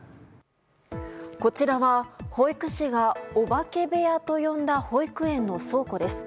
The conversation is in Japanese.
こちらは保育士がお化け部屋と呼んだ保育園の倉庫です。